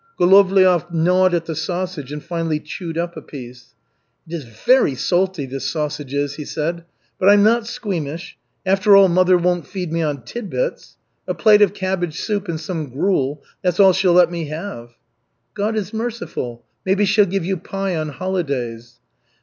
Golovliov gnawed at the sausage and finally chewed up a piece. "It is very salty, this sausage is," he said. "But I'm not squeamish. After all, mother won't feed me on tid bits. A plate of cabbage soup and some gruel that's all she'll let me have." "God is merciful. Maybe she'll give you pie on holidays."